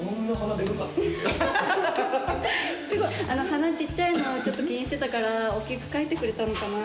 鼻ちっちゃいのをちょっと気にしてたからおっきく描いてくれたのかな。